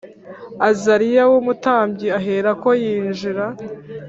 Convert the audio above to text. Azariya w ‘umutambyi aherako yinjira.